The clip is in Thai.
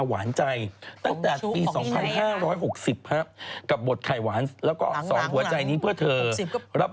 เราเห็นนั่นเองทุกวันโปรดโศนาเยอะ